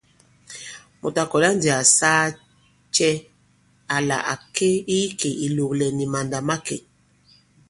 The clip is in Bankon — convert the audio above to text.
Mùt à kɔ̀la ndī à saa cɛ àla à ke i ikè ìlòòlɛ̀gɛ̀ nì màndà̂makè ?